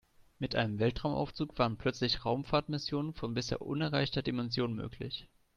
Mit einem Weltraumaufzug wären plötzlich Raumfahrtmissionen von bisher unerreichter Dimension möglich.